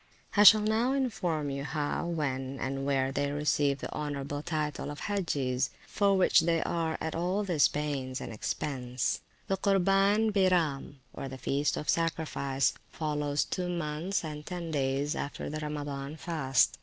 I shall now inform you how, when, and where, they receive the honourable title of Hagges, for which they are at all this pains and expence. The Curbaen Byram, or the Feast of Sacrifice, follows two months and ten days after the Ramadan fast.